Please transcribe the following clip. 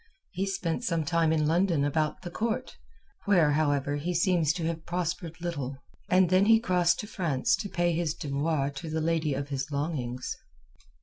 He spent some time in London about the Court, where, however, he seems to have prospered little, and then he crossed to France to pay his devoirs to the lady of his longings.